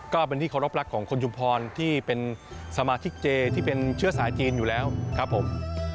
ก็เป็นที่เคารพรักของคนชุมพรที่เป็นสมาชิกเจที่เป็นเชื้อสายจีนอยู่แล้วครับผม